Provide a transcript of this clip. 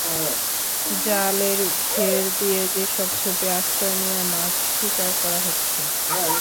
জালের ঘের দিয়ে সেসব ঝোপে আশ্রয় নেওয়া মাছ শিকার করা হচ্ছে।